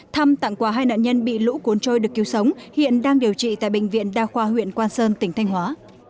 thăm tặng quà hai nạn nhân bị lũ cuốn trôi được cứu sống hiện đang điều trị tại bệnh viện đa khoa huyện quang sơn tỉnh thanh hóa